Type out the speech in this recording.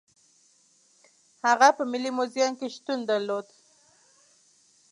هغه په ملي موزیم کې شتون درلود.